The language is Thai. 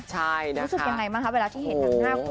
ใช่นะคะรู้สึกยังไงบ้างคะเวลาที่เห็นหน้าครู